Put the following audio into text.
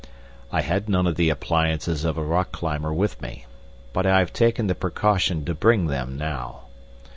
I had none of the appliances of a rock climber with me, but I have taken the precaution to bring them now.